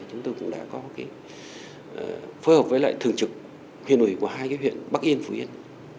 chúng tôi cũng đã có cái phối hợp với lại thường trực huyền ủy của hai cái huyện bắc yên phú yên